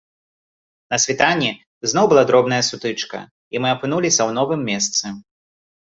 На світанні зноў была дробная сутычка, і мы апынуліся ў новым месцы.